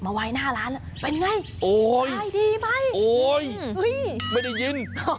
มาไว้หน้าร้านเป็นอย่างไรขายดีไหมโอ๊ยไม่ได้ยิน